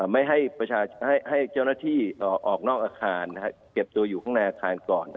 ไม่ให้เจ้าหน้าที่ออกนอกอาคารเก็บตัวอยู่ข้างในอาคารก่อน